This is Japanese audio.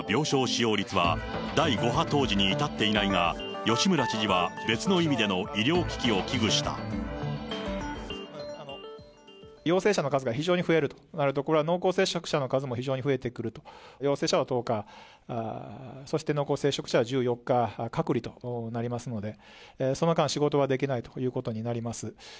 重症者数や病床使用率は第５波当時に至っていないが、吉村知事は陽性者の数が非常に増えるとなると、これは濃厚接触者の数も非常に増えてくると、陽性者は１０日、そして濃厚接触者は１４日隔離となりますので、その間、仕事はできないということになります。